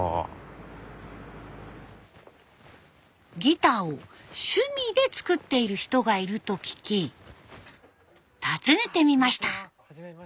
ギターを趣味で作っている人がいると聞き訪ねてみました。